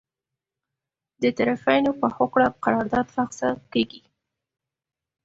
د طرفینو په هوکړه قرارداد فسخه کیږي.